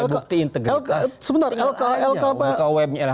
sebagai bukti integritas